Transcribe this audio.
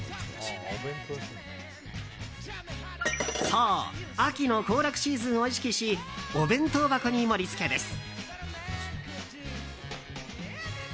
そう秋の行楽シーズンを意識しお弁当箱に盛り付けです。